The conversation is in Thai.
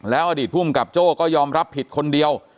อดีตภูมิกับโจ้ก็ยอมรับผิดคนเดียว